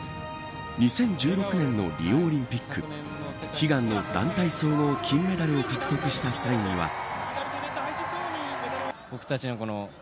２０１６年のリオオリンピック悲願の団体総合金メダルを獲得した際には。